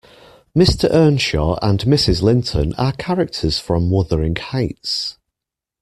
Mr Earnshaw and Mrs Linton are characters from Wuthering Heights